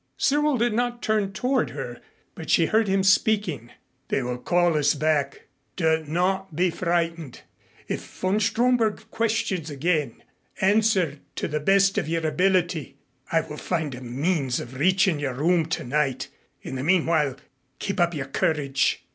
Cyril did not turn toward her, but she heard him speaking. "They will call us back. Do not be frightened. If von Stromberg questions again, answer to the best of your ability. I will find a means of reaching your room tonight. In the meanwhile keep up your courage."